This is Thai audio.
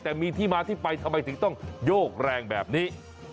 แต่มีที่มาที่ไปทำไมถึงต้องโยกแรงแบบนี้